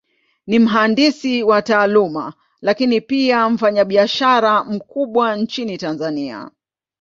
Ni mhandisi kwa Taaluma, Lakini pia ni mfanyabiashara mkubwa Nchini Tanzania.